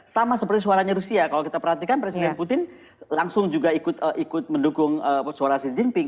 sama seperti suaranya rusia kalau kita perhatikan presiden putin langsung juga ikut mendukung suara xi jinping